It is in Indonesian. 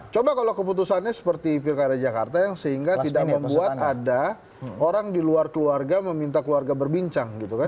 coba kalau keputusannya seperti pilkada jakarta yang sehingga tidak membuat ada orang di luar keluarga meminta keluarga berbincang gitu kan